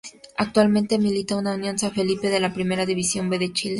Actualmente milita en Unión San Felipe de la Primera División B de Chile.